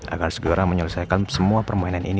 agar segera menyelesaikan semua permainan ini